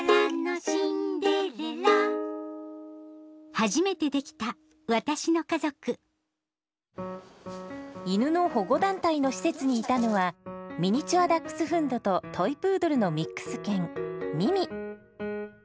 初めてできた私の家族犬の保護団体の施設にいたのはミニチュアダックスフントとトイプードルのミックス犬ミミ。